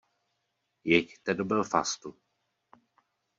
Jeďte do Belfastu.